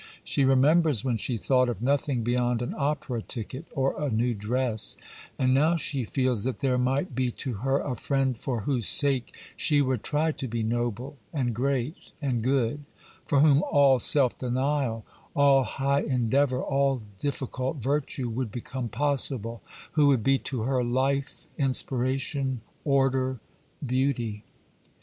She remembers when she thought of nothing beyond an opera ticket or a new dress; and now she feels that there might be to her a friend for whose sake she would try to be noble and great and good; for whom all self denial, all high endeavour, all difficult virtue, would become possible; who would be to her life, inspiration, order, beauty.